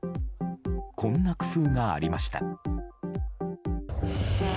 こんな工夫がありました。